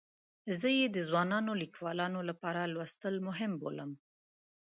زه یې د ځوانو لیکوالو لپاره لوستل مهم بولم.